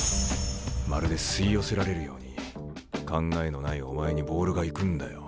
まるで吸い寄せられるように考えのないお前にボールが行くんだよ。